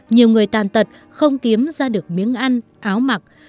nhiều người tàn tật không kiếm ra được miếng ăn áo mặc